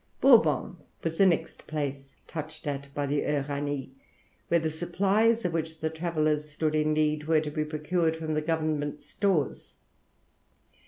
Bourbon was the next place touched at by the Uranie, where the supplies of which the travellers stood in need were to be procured from the government stores.